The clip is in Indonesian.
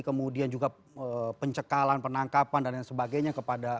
kemudian juga pencekalan penangkapan dan lain sebagainya kepada